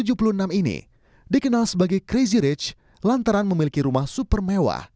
wanita kelahiran november seribu sembilan ratus tujuh puluh enam ini dikenal sebagai crazy rich lantaran memiliki rumah super mewah